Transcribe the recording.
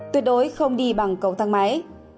tuyệt đối không đi bằng cầu thang máy